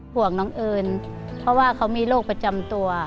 ห่วงน้องเอิญเพราะว่าเขามีโรคประจำตัว